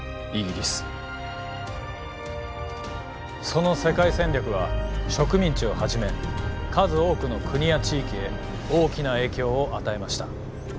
その世界戦略は植民地をはじめ数多くの国や地域へ大きな影響を与えました。